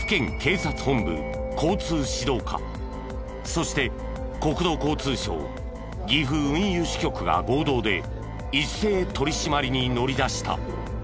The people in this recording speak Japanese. そして国土交通省岐阜運輸支局が合同で一斉取り締まりに乗り出した。